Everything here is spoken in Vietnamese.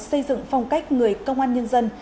xây dựng phong cách người công an nhân dân